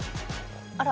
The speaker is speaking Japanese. あら！